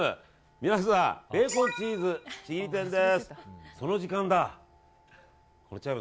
皆さんベーコンチーズちぎり天です。